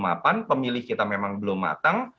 mapan pemilih kita memang belum matang